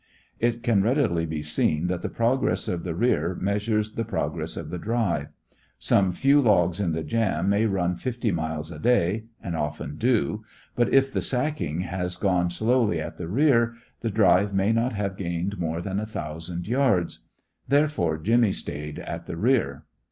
It can readily be seen that the progress of the "rear" measures the progress of the drive. Some few logs in the "jam" may run fifty miles a day and often do but if the sacking has gone slowly at the rear, the drive may not have gained more than a thousand yards. Therefore Jimmy stayed at the rear.